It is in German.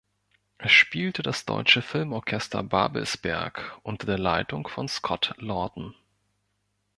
Es spielte das Deutsche Filmorchester Babelsberg unter der Leitung von Scott Lawton.